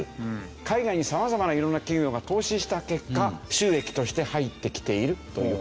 海外に様々な色んな企業が投資した結果収益として入ってきているという事なんですね。